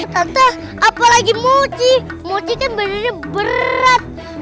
tante apalagi mochi mochi kan bener bener berat